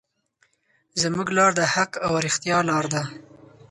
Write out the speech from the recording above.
زموږ لار د حق او رښتیا لار ده.